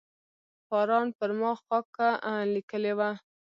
فاران پر ما خاکه لیکلې وه.